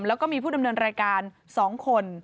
แล้วก็มีผู้ดำเนินรายการ๒คน